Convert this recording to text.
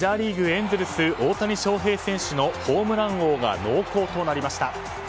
エンゼルス大谷翔平選手のホームラン王が濃厚となりました。